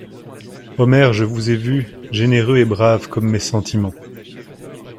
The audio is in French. Omer, je vous ai vu, généreux et brave comme mes sentiments.